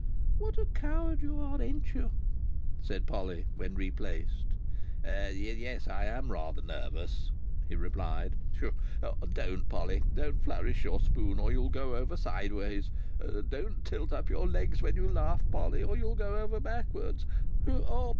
"What a coward you are, ain't you?" said Polly, when replaced. "Yes, I am rather nervous," he replied. "Whew! Don't, Polly! Don't flourish your spoon, or you'll go over sideways. Don't tilt up your legs when you laugh, Polly, or you'll go over backwards.